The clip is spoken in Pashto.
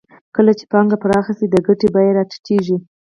کله چې پانګه پراخه شي د ګټې بیه راټیټېږي